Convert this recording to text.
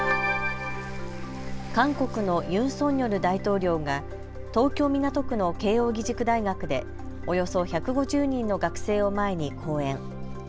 韓国のユン・ソンニョル大統領が東京港区の慶應義塾大学でおよそ１５０人の学生を前に講演。